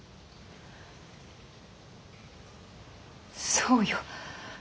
そうよ。